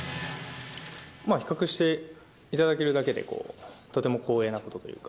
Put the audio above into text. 比較していただけるだけで、とても光栄なことというか。